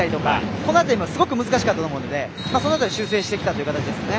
この辺り、すごく難しかったと思うのでその辺りを修正してきたという形ですね。